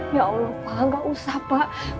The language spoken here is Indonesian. ya allah gak usah pak